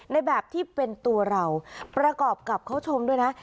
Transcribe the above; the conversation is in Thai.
ในแบบที่เป็นตัวเราประกอบกับเขาชมด้วยนะ